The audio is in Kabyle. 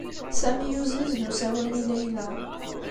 Sami yuzen izen n usawal i Layla.